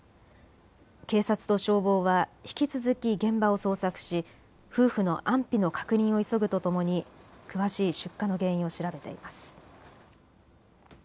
警察と消防は引き続き現場を捜索し夫婦の安否の確認を急ぐとともに詳しい出火の原因を調べています。